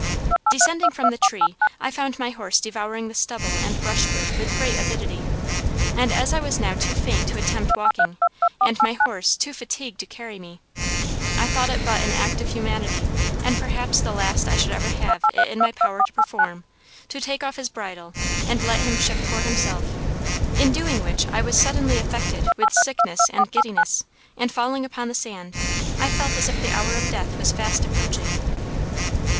"Descending from the tree, I found my horse devouring the stubble and brushwood with great avidity, and as I was now too faint to attempt walking, and my horse too fatigued to carry me, I thought it but an act of humanity, and perhaps the last I should ever have it in my power to perform, to take off his bridle and let him shift for himself; in doing which I was suddenly affected with sickness and giddiness, and falling upon the sand, I felt as if the hour of death was fast approaching.